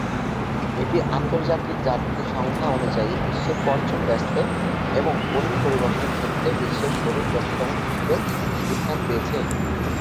এটি আন্তর্জাতিক যাত্রী সংখ্যা অনুযায়ী বিশ্বের পঞ্চম ব্যস্ত এবং পণ্য পরিবহনের ক্ষেত্রে বিশ্বের ষোড়শ ব্যস্ততম হিসাবেও স্থান পেয়েছে।